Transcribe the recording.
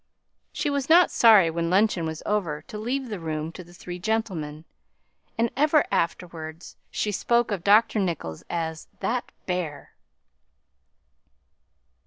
She was not sorry when luncheon was over to leave the room to the three gentlemen; and ever afterwards she spoke of Dr. Nicholls as "that bear."